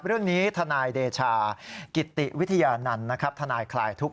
เรื่องนี้ทนายเดชากิติวิทยานันต์นะครับทนายคลายทุกข